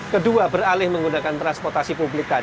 kedua beralih menggunakan transportasi publik